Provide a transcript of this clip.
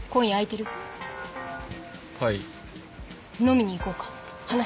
はい。